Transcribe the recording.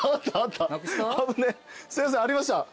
危ねえすいませんありました。